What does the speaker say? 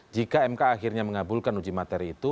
jika mk akhirnya mengabulkan uji materi itu